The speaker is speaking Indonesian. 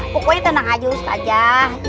pokoknya tenang aja ustazah